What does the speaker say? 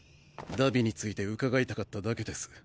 荼毘について伺いたかっただけです。